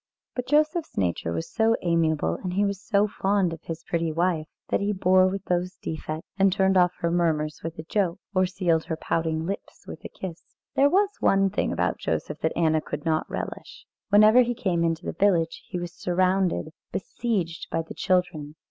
But Joseph's nature was so amiable, and he was so fond of his pretty wife, that he bore with those defects, and turned off her murmurs with a joke, or sealed her pouting lips with a kiss. There was one thing about Joseph that Anna could not relish. Whenever he came into the village, he was surrounded, besieged by the children.